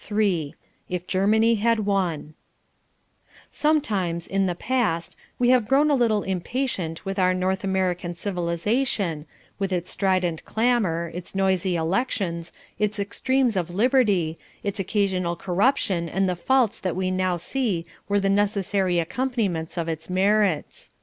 I said. 3. If Germany Had Won Sometimes, in the past, we have grown a little impatient with our North American civilisation, with its strident clamour, its noisy elections, its extremes of liberty, its occasional corruption and the faults that we now see were the necessary accompaniments of its merits.